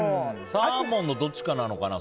サーモンのどっちかなのかな。